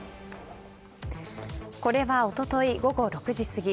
これは、おととい午後６時すぎ。